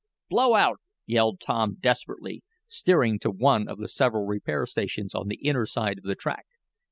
"Blow out!" yelled Tom desperately, steering to one of the several repair stations on the inner side of the track.